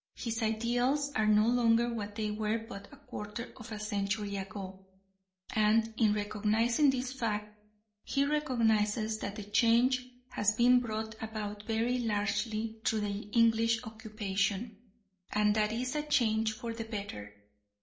His ideals are no longer what they were but a quarter of a century ago, and, in recognising this fact, he recognises that the change has been brought about very largely through the English occupation, and that it is a change for the better.